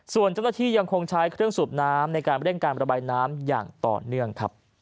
ส่วนเจ้าหน้าที่ยังคงใช้เครื่องสูบน้ำในการเร่งการระบายน้ำอย่างต่อเนื่องครับ